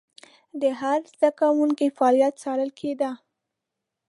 د هر زده کوونکي فعالیت څارل کېده.